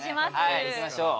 はい行きましょう。